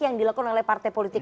yang dilakukan oleh partai politik